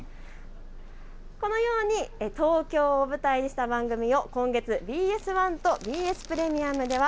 このように東京を舞台にした番組を今月、ＢＳ１とＢＳプレミアムでは＃